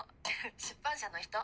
出版社の人。